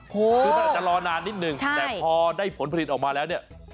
คือจะรอนานนิดนึงแต่พอได้ผลผลิตออกมาแล้ว